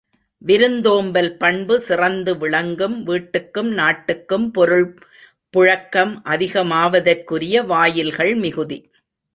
விருந்தோம்பல் பண்பு சிறந்து விளங்கும் வீட்டுக்கும் நாட்டுக்கும், பொருள் புழக்கம் அதிகமாவதற்குரிய வாயில்கள் மிகுதி.